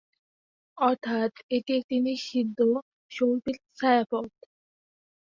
অর্থাৎ, এটি একটি নিষিদ্ধ সর্পিল ছায়াপথ।